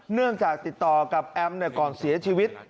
เนื่องจากติดต่อกับแอมก่อนเสียชีวิต